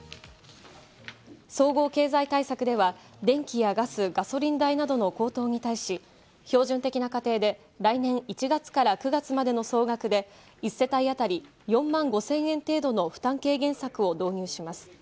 総合経済対策では電気やガス、ガソリン代などの高騰に対し、標準的な家庭で来年１月から９月までの総額で１世帯当たり４万５０００円程度の負担軽減策を導入します。